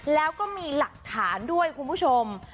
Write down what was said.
แล้วก็มีหลักฐานด้วยคุณผู้ชม